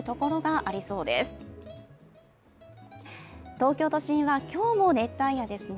東京都心は今日も熱帯夜ですね。